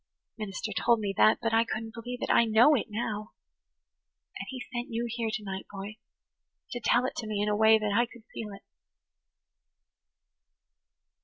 The minister told me that but I couldn't believe it. I know it now. And He sent you here to night, boy, to tell it to me in a way that I could feel it."